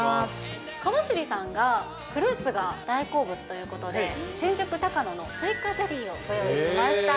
川尻さんがフルーツが大好物ということで、新宿高野のスイカゼリーをご用意しました。